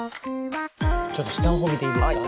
ちょっと下の方見ていいですか？